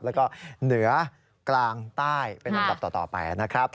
แล้วก็เหนือกลางใต้เป็นลำดับต่อไปนะครับ